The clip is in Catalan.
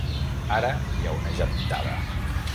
Ara hi ha una gentada.